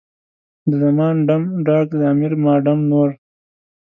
د زمان ډم، ډاګ، د امیر ما ډم نور.